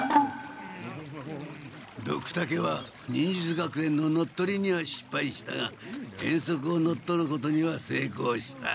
ドクタケは忍術学園の乗っ取りにはしっぱいしたが遠足を乗っ取ることにはせいこうした！